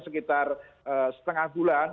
sekitar setengah bulan